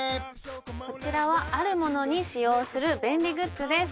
こちらはあるものに使用する便利グッズです